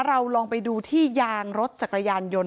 เราลองไปดูที่ยางรถจักรยานยนต์